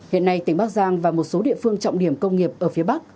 hiện nay tỉnh bắc giang và một số địa phương trọng điểm công nghiệp ở phía bắc